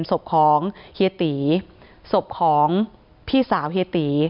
ศพของเฮียตีศพของพี่สาวเฮียตี